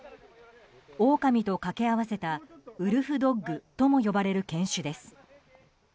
オオカミと掛け合わせたウルフドッグとも呼ばれる犬種です。